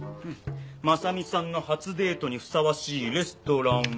真実さんの初デートにふさわしいレストランは。